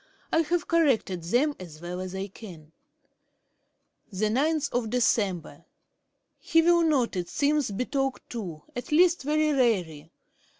I have corrected them as well as I can. 'Dec. 9. He will not, it seems, be talked to at least very rarely.